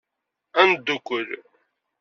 Ad neddukkel.